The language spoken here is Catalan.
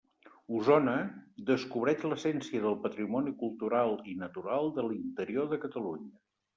Osona, descobreix l'essència del patrimoni cultural i natural de l'interior de Catalunya.